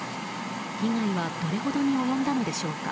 被害はどれほどに及んだのでしょうか。